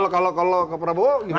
kalau pak prabowo